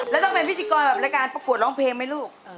แล้วต้องเป็นพิธีกรแบบรายการประกวดร้องเพลงไหมลูก